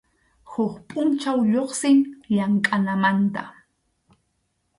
Huk pʼunchaw lluqsin llamkʼananmanta.